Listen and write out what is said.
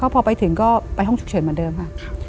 พอไปถึงก็ไปห้องฉุกเฉินเหมือนเดิมค่ะ